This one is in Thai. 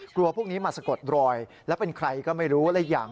พวกนี้มาสะกดรอยแล้วเป็นใครก็ไม่รู้และอีกอย่าง